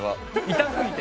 痛すぎて。